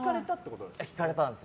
聞かれたんです。